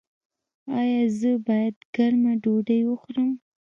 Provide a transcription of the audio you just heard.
ایا زه باید ګرمه ډوډۍ وخورم؟